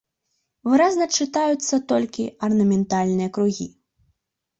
Выразна чытаюцца толькі арнаментальныя кругі.